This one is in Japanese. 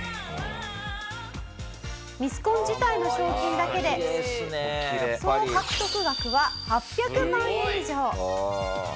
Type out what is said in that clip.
ミスコン自体の賞金だけで総獲得額は８００万円以上。